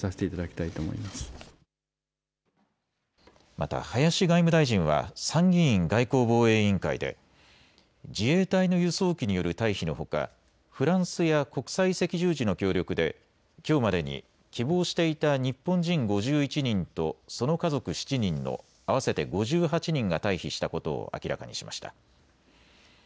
また林外務大臣は参議院外交防衛委員会で自衛隊の輸送機による退避のほかフランスや国際赤十字の協力できょうまでに希望していた日本人５１人とその家族７人の合わせて５８人が退避したことを明らかにしました。